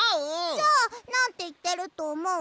じゃあなんていってるとおもう？